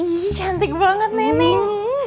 ih cantik banget neneng